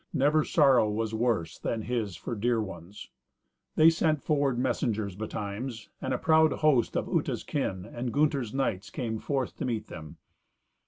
Never sorrow was worse than his for dear ones. They sent forward messengers betimes, and a proud host of Uta's kin, and Gunther's knights, came forth to meet them.